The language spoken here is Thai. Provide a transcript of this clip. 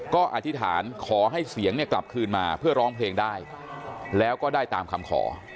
ก็อธิษฐานขอให้เสียงเนี่ยกลับคืนมาเพื่อร้องเพลงได้แล้วก็ได้ตามคำขอ